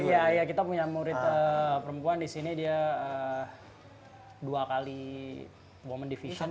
ya ini ya kita punya murid perempuan di sini dia dua kali women division